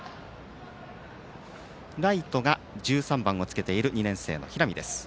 ライトが１３番をつけている２年生の平見です。